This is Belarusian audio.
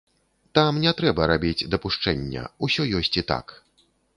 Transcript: Там не трэба рабіць дапушчэння — усё ёсць і так.